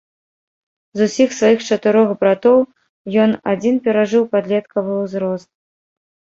З усіх сваіх чатырох братоў ён адзін перажыў падлеткавы ўзрост.